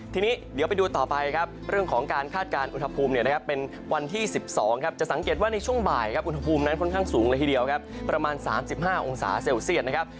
ทีนี้เดี๋ยวไปดูต่อไปครับเรื่องของการคาดการณ์อุณหภูมิเนี่ยนะครับเป็นวันที่๑๒ครับจะสังเกตว่าในช่วงบ่ายครับอุณหภูมินั้นค่อนข้างสูงเลยทีเดียวครับประมาณ๓๕องศาเซลเซียตนะครับ